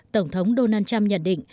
tổng thống donald trump nhận định